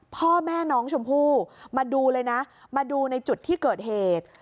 พ่อแม่น้องชมพู่มาดูเลยนะมาดูในจุดที่เกิดเหตุ